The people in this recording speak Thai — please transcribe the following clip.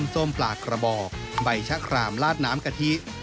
ส้มปลากระบอกใบชะครามลาดน้ำกะทิ